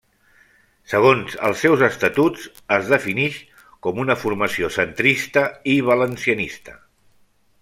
Segons els seus Estatuts, es definix com una formació centrista i valencianista.